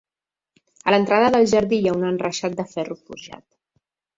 A l'entrada del jardí hi ha un enreixat de ferro forjat.